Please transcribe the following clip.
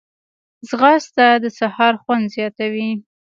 ځغاسته د سهار خوند زیاتوي